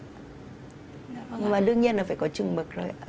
nhưng mà đương nhiên là phải có chừng mực rồi